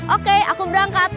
oke aku berangkat